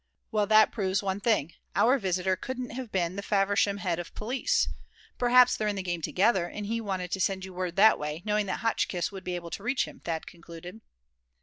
"Well, that proves one thing. Our visitor couldn't have been the Faversham Head of Police. Perhaps they're in the game together, and he wanted you to send word that way, knowing that Hotchkiss would be able to reach him," Thad concluded.